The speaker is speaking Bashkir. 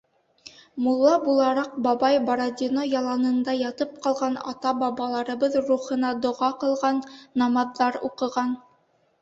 Мулла булараҡ бабай Бородино яланында ятып ҡалған ата-бабаларыбыҙ рухына доға ҡылған, намаҙҙар уҡыған.